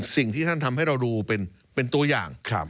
สิ่งที่ท่านทำให้เราดูเป็นตัวอย่าง